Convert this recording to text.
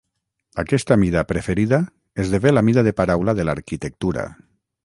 Aquesta mida preferida esdevé la mida de paraula de l'arquitectura.